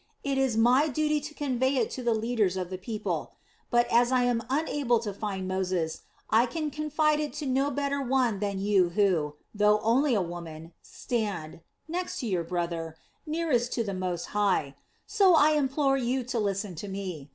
It is my duty to convey it to the leaders of the people; but as I am unable to find Moses, I can confide it to no better one than you who, though only a woman, stand, next to your brother nearest to the Most High, so I implore you to listen to me.